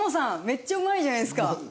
めっちゃうまいじゃないですか。